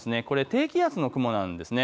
低気圧の雲なんです。